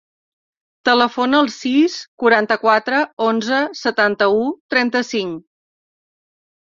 Telefona al sis, quaranta-quatre, onze, setanta-u, trenta-cinc.